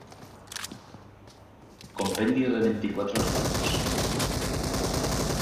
Compendio de veinticuatro relatos.